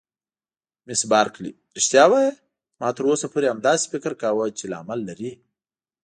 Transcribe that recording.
مس بارکلي: رښتیا وایې؟ ما تر اوسه پورې همداسې فکر کاوه چې لامل لري.